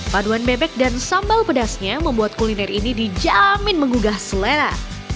paduan bebek dan sambal pedasnya membuat kuliner ini dijamin menggugah selera